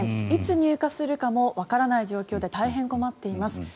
いつ入荷するかもわからない状況で大変困っています。